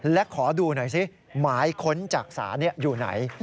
และขอดูหน่อยสิหมายค้นจากศาลอยู่ไหน